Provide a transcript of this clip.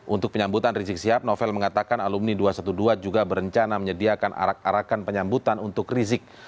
untuk penyambutan rizik sihab novel mengatakan alumni dua ratus dua belas juga berencana menyediakan arak arakan penyambutan untuk rizik